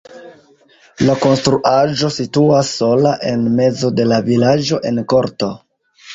La konstruaĵo situas sola en mezo de la vilaĝo en korto.